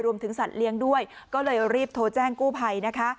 สัตว์เลี้ยงด้วยก็เลยรีบโทรแจ้งกู้ภัยนะคะ